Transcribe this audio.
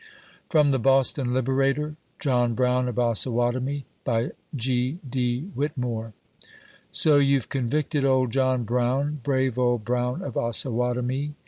[From the Boston Liberator.] JOHN BROWN OP OSAWATOMIE. BY G. ». WHITMORE. So you 've convicted old John Brown ! brave old Brown of Osawatomie !